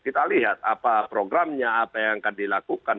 kita lihat apa programnya apa yang akan dilakukan